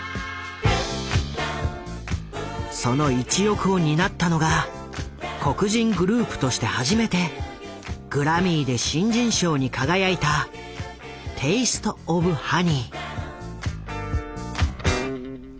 その一翼を担ったのが黒人グループとして初めてグラミーで新人賞に輝いたテイスト・オブ・ハニー。